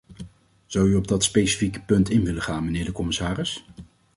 Zou u op dat specifieke punt in willen gaan, mijnheer de commissaris?